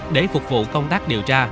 để phục vụ công tác điều tra